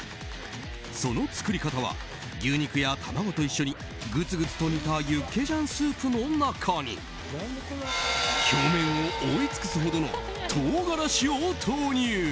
その作り方は牛肉や卵と一緒にグツグツと煮たユッケジャンスープの中に表面を覆い尽くすほどの唐辛子を投入。